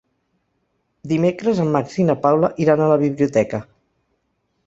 Dimecres en Max i na Paula iran a la biblioteca.